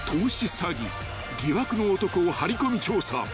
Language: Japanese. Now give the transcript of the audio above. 詐欺疑惑の男を張り込み調査］